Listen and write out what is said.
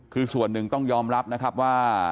คือส่วนหนึ่งต้องยอมรับนะครับว่า